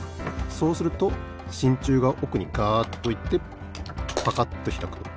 そうするとしんちゅうがおくにガッといってパカッとひらくと。